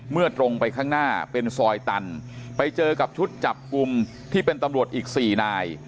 ตรงไปข้างหน้าเป็นซอยตันไปเจอกับชุดจับกลุ่มที่เป็นตำรวจอีก๔นาย